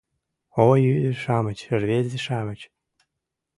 Ой, ӱдыр-шамыч, рвезе-шамыч